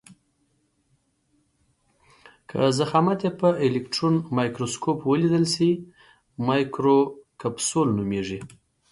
که ضخامت یې په الکټرون مایکروسکوپ ولیدل شي مایکروکپسول نومیږي.